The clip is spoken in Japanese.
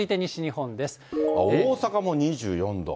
大阪も２４度。